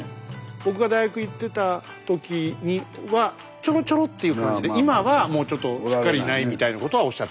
僕が大学行ってた時にはちょろちょろっていう感じで今はもうちょっとすっかりいないみたいなことはおっしゃってましたね。